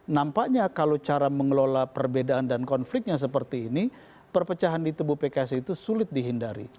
nampaknya kalau cara mengelola perbedaan dan konfliknya seperti ini perpecahan di tubuh pks itu sulit dihindari